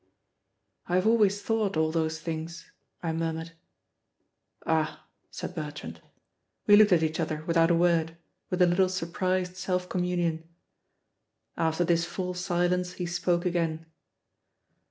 "I have always thought all those things," I murmured. "Ah!" said Bertrand. We looked at each other without a word, with a little surprised self communion. After this full silence he spoke again.